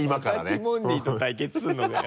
またティモンディと対決するのかよ